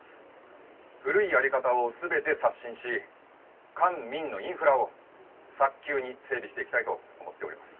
「古いやり方を全て刷新し官民のインフラを早急に整備していきたいと思っております」